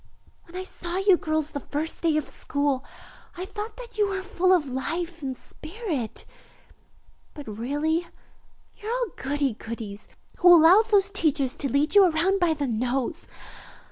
When I saw you girls the first day of school, I thought that you were full of life and spirit, but really you are all goody goodies, who allow those teachers to lead you around by the nose.